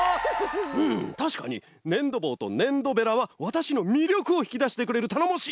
たしかにねんどぼうとねんどベラはわたしのみりょくをひきだしてくれるたのもしいなかまだよ。